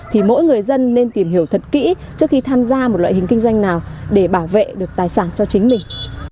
thì mỗi người dân nên tìm hiểu thật kỹ trước khi tham gia một loại hình kinh doanh nào để bảo vệ được tài sản cho chính mình